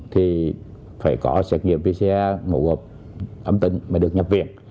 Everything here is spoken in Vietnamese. thì phải có xét nghiệm vca mậu gột ấm tinh mới được nhập viện